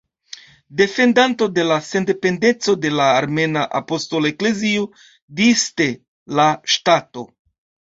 Defendanto de la sendependeco de la Armena Apostola Eklezio disde la ŝtato.